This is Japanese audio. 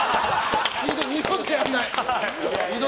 二度とやらない。